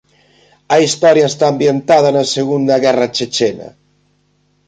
A historia está ambientada na segunda guerra chechena.